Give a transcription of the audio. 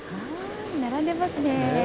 並んでますね。